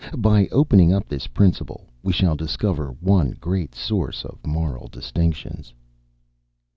By opening up this principle, we shall discover one great source of moral distinctions."